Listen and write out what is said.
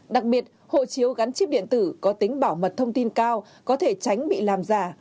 đặc biệt hộ chiếu gắn chip điện tử có tính bảo mật thông tin cao có thể tránh bị làm giả